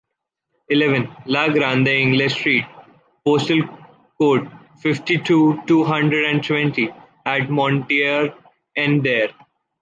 Eleven, La Grande Inglée street, postal code fifty two, two hundred and twenty, at Montier-en-Der